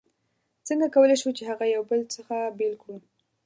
څنګه کولای شو چې هغه یو له بل څخه بېل کړو؟